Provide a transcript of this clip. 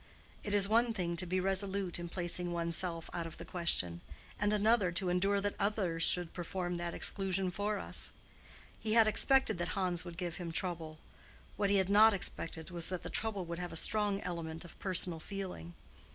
It is one thing to be resolute in placing one's self out of the question, and another to endure that others should perform that exclusion for us. He had expected that Hans would give him trouble: what he had not expected was that the trouble would have a strong element of personal feeling.